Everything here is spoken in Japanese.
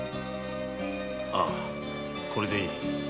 ああこれでいい。